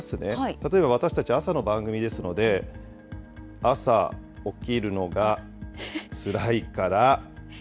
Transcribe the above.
例えば私たち、朝の番組ですので、朝起きるのがつらいから。